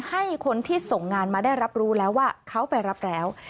ให้คนที่ส่งงานมาได้รับรู้แล้วว่าเขาไปรับแล้ว